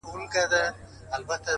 هوښیار انسان وخت ته لومړیتوب ورکوي؛